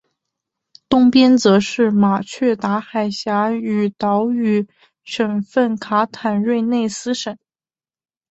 东边则是马却达海峡与岛屿省份卡坦端内斯省。